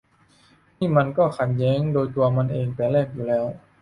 นี่มันก็ขัดแย้งโดยตัวมันเองแต่แรกอยู่แล้ว